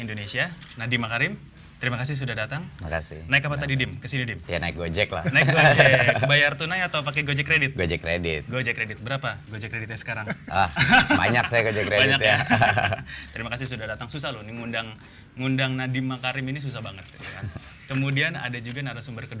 dan menerai pendapatan yang besar